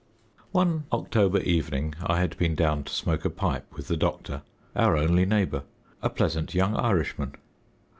One October evening I had been down to smoke a pipe with the doctor our only neighbour a pleasant young Irishman.